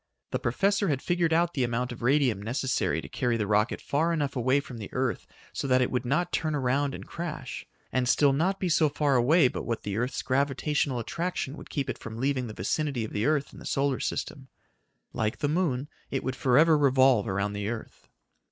The professor had figured out the amount of radium necessary to carry the rocket far enough away from the earth so that it would not turn around and crash, and still be not so far away but what the earth's gravitational attraction would keep it from leaving the vicinity of the earth and the solar system. Like the moon, it would forever revolve around the earth.